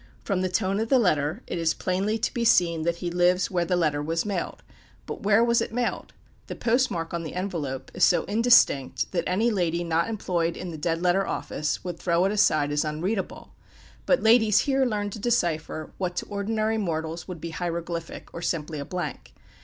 From the tone of the letter, it is plainly to be seen that he lives where the letter was mailed but where was it mailed? The post mark on the envelope is so indistinct that any lady not employed in the Dead Letter Office would throw it aside as "unreadable;" but ladies here learn to decipher what to ordinary mortals would be hieroglyphic, or simply a blank.